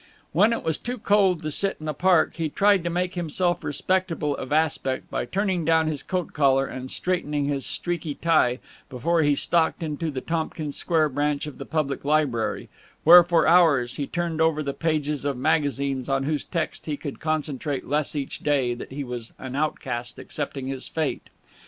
When it was too cold to sit in the park, he tried to make himself respectable of aspect, by turning down his coat collar and straightening his streaky tie, before he stalked into the Tompkins Square branch of the public library, where for hours he turned over the pages of magazines on whose text he could concentrate less each day that he was an outcast accepting his fate.